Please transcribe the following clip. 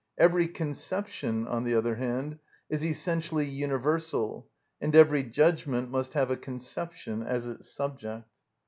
Every conception, on the other hand, is essentially universal, and every judgment must have a conception as its subject.